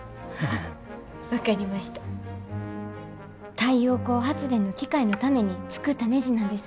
太陽光発電の機械のために作ったねじなんです。